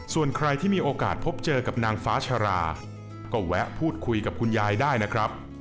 ส่วนใครที่มีโอกาสพบเจอกับนางฟ้าชาราก็แวะพูดคุยกับคุณยายได้นะครับ